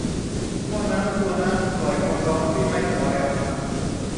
หม้อน้ำตัวนั้นปล่อยความร้อนที่ไม่สบายออกมา